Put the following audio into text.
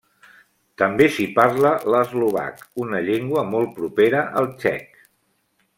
També s'hi parla l'eslovac, una llengua molt propera al txec.